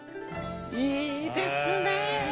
いいですね！